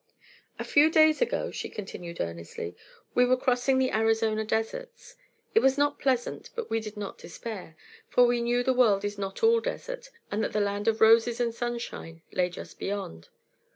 "A few days ago," she continued earnestly, "we were crossing the Arizona deserts. It was not pleasant, but we did not despair, for we knew the world is not all desert and that the land of roses and sunshine lay just beyond.